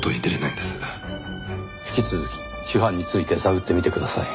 引き続き主犯について探ってみてください。